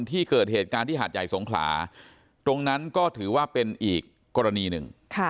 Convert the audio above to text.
ที่เกิดเหตุการณ์ที่หาดใหญ่สงขลาตรงนั้นก็ถือว่าเป็นอีกกรณีหนึ่ง